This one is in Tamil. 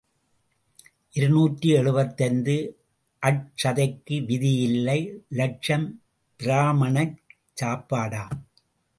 இருநூற்று எழுபத்தைந்து அட்சதைக்கு விதி இல்லை லட்சம் பிராமணச் சாப்பாடாம்.